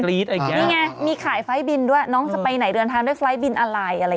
นี่ไงมีขายไฟล์บินด้วยน้องจะไปไหนเดินทางด้วยไฟล์บินอะไรอะไรอย่างนี้